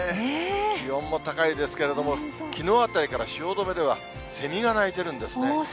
気温も高いですけれども、きのうあたりから汐留ではセミが鳴いてるんですね。